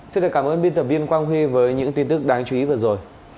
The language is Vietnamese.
xin được cảm ơn biên tập viên quang huy với những tin tức đáng chú ý vừa rồi